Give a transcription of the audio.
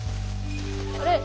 あれ？